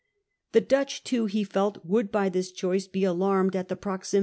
The Dutch too, he felt, would by this choice be alarmed at the proximity 1 668.